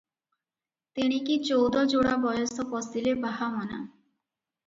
ତେଣିକି ଚଉଦ ଯୋଡ଼ା ବୟସ ପଶିଲେ ବାହା ମନା ।